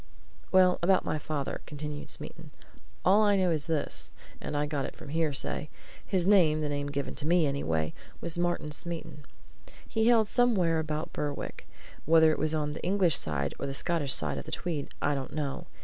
"Well about my father," continued Smeaton. "All I know is this and I got it from hearsay: His name the name given to me, anyway was Martin Smeaton. He hailed from somewhere about Berwick. Whether it was on the English side or the Scottish side of the Tweed I don't know.